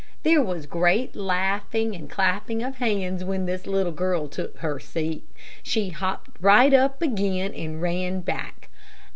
There was great laughing and clapping of hands when this little girl took her seat, and she hopped right up again and ran back.